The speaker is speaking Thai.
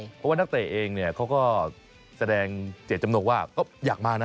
เพราะว่านักเตะเองเนี่ยเขาก็แสดงเจตจำนกว่าก็อยากมานะ